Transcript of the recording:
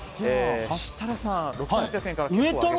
設楽さん、６８００円から結構上げて。